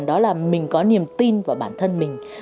đó là mình có niềm tin vào bản thân mình